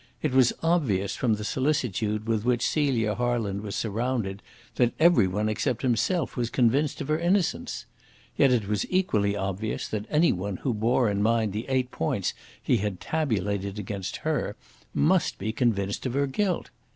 It was obvious from the solicitude with which Celia Harland was surrounded that every one except himself was convinced of her innocence. Yet it was equally obvious that any one who bore in mind the eight points he had tabulated against her must be convinced of her guilt.